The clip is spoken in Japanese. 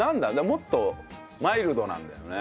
もっとマイルドなんだよね。